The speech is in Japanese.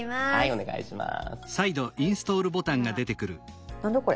お願いします。